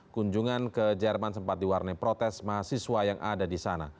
kunjungan ke jerman sempat diwarnai protes mahasiswa yang ada di sana